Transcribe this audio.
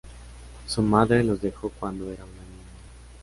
Su madre los dejó cuando era una niña.